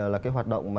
là cái hoạt động